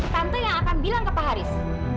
tante yang akan bilang ke pak haris